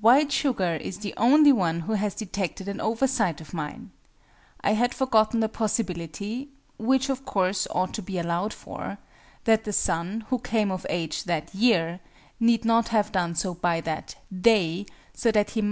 WHITE SUGAR is the only one who has detected an oversight of mine: I had forgotten the possibility (which of course ought to be allowed for) that the son, who came of age that year, need not have done so by that day, so that he might be only 20.